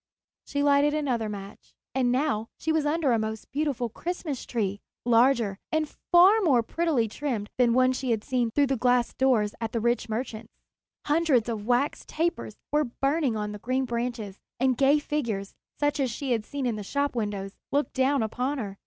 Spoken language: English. She lighted another match. And now she was under a most beautiful Christmas tree, larger and far more prettily trimmed than the one she had seen through the glass doors at the rich merchant's. Hundreds of wax tapers were burning on the green branches, and gay figures, such as she had seen in the shop windows, looked down upon her.